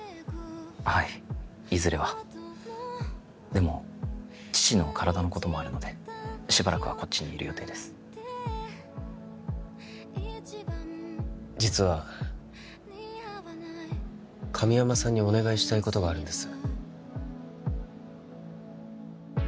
はいいずれはでも父の体のこともあるのでしばらくはこっちにいる予定です実は神山さんにお願いしたいことがあるんです